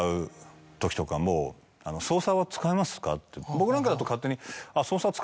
僕なんかだと勝手に。